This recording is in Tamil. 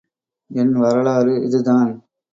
என் வரலாறு இதுதான்.